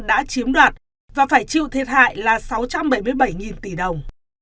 đã chiếm đoạt và phải chịu thiệt hại là sáu trăm bảy mươi bảy tỷ đồng